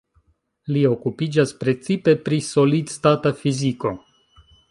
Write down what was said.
Li okupiĝas precipe pri solid-stata fiziko.